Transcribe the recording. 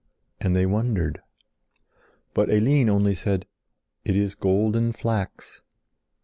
And they wondered. But Eline only said "It is golden flax."